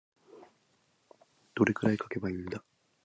どれくらい書けばいいんだ。